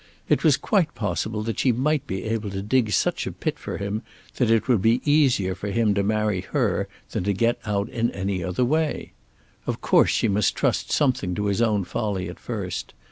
It was quite possible that she might be able to dig such a pit for him that it would be easier for him to marry her than to get out in any other way. Of course she must trust something to his own folly at first.